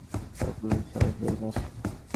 সবগুলো সহিসালামতেই আছে।